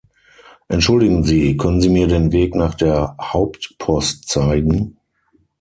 Entschuldigen Sie, können Sie mir den Weg nach der Hauptpost zeigen?